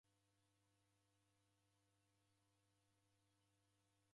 Daredelo m'baa wa koti m'wishi.